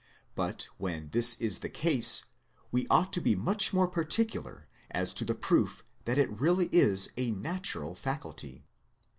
But when this is the case we ought to be much more particular as to the proof that it really is a natural faculty.